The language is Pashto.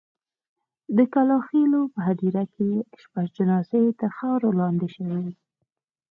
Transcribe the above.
د کلا خېلو په هدیره کې شپږ جنازې تر خاورو لاندې شوې.